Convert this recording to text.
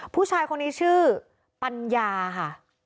ผู้ชายคนนี้ชื่อปัญญาค่ะ